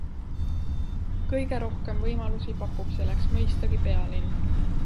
Kõige rohkem võimalusi pakub selleks mõistagi pealinn.